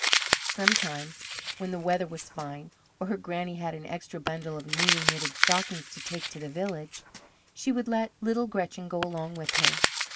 Sometimes, when the weather was fine, or her Granny had an extra bundle of newly knitted stockings to take to the village, she would let little Gretchen go along with her.